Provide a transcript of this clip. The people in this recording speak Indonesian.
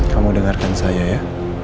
kamu dengarkan saya ya